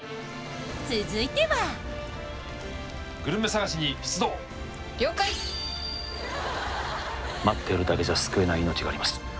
続いては待ってるだけじゃ救えない命があります